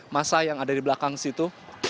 masa yang ada di belakang situ